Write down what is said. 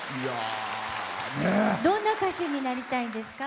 どんな歌手になりたいんですか？